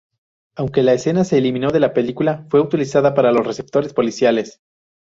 Aunque la escena se eliminó de la película, fue utilizada para los reportes policiales.